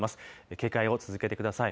警戒を続けてください。